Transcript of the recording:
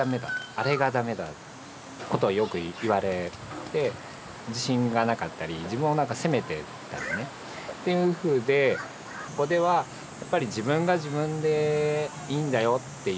「あれが駄目だ」ことをよく言われて自信がなかったり自分を何か責めてたりねっていうふうでここではやっぱり「自分が自分でいいんだよ」っていう。